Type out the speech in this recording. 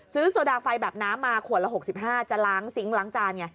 โซดาไฟแบบน้ำมาขวดละ๖๕จะล้างซิงค์ล้างจานไง